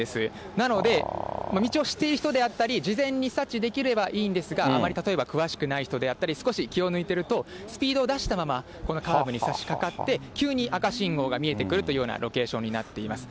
なので、道を知っている人であったり、事前に察知できればいいんですが、あまり例えば詳しくない人であったり、少し気を抜いていると、スピードを出したまま、このカーブに差しかかって、急に赤信号が見えてくるというようなロケーションになっています。